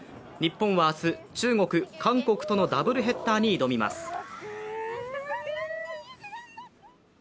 日本は明日、中国、韓国とのダブルヘッダーに挑みます。